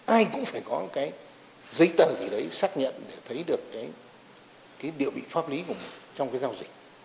ai cũng phải có cái giấy tờ gì đấy xác nhận để thấy được cái địa vị pháp lý trong cái giao dịch